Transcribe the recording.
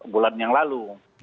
bulan yang lalu